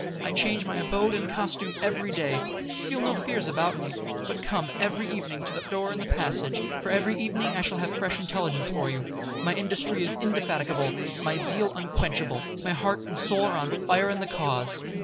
I change my abode and costume every day. Feel no fears for me, but come every evening to the door in the passage, for every evening I shall have fresh intelligence for you. My industry is indefatigable, my zeal unquenchable, my heart and soul are on fire in the cause.